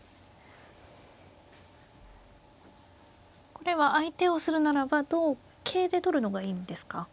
これは相手をするならば同桂で取るのがいいんですか。